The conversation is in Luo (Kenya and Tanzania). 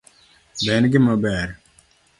Be an gima ber